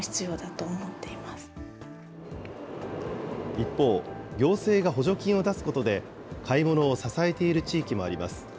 一方、行政が補助金を出すことで、買い物を支えている地域もあります。